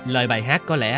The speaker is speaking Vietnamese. lời bài hát có lẽ